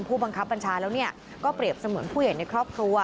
ผู้บังคับบัญชาแล้วก็เปรียบเสมือนผู้ใหญ่ในครอบครัว